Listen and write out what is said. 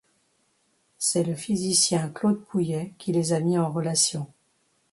C'est le physicien Claude Pouillet qui les a mis en relation.